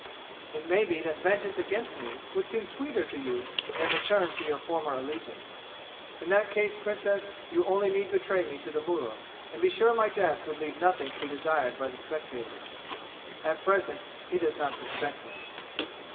"It may be that vengeance against me would seem sweeter to you than return to your former allegiance. In that case, Princess, you only need betray me to the mullah, and be sure my death would leave nothing to be desired by the spectators. At present he does not suspect me.